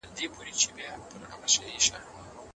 باور کول د هدف په لور حرکت دی.